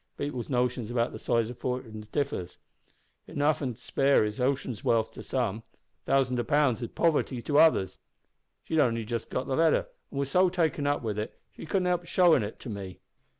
People's notions about the size o' fortins differs. Enough an' to spare is ocean's wealth to some. Thousands o' pounds is poverty to others. She'd only just got the letter, an' was so taken up about it that she couldn't help showin' it to me.